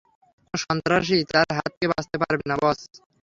কোনো সন্ত্রাসীই তার হাত থেকে বাঁচতে পারবে না, বস।